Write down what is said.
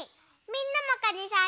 みんなもかにさんに。